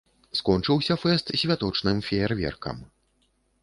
Скончыўся фэст святочным феерверкам.